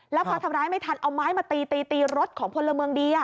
แล้วพอทำร้ายไม่ทันเอาไม้มาตีตีรถของพลเมืองดี